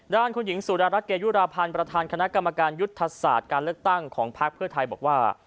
ด้านคุณหญิงสุดารัฐเกยุราพันธ์ประธานคณะกรรมการยุทธศาสตร์การเลือกตั้งของพักเพื่อไทยบอกว่า